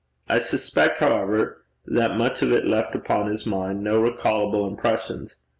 I suspect, however, that much of it left upon his mind no recallable impressions.